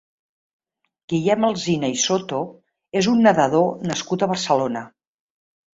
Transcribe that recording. Guillem Alsina i Soto és un nedador nascut a Barcelona.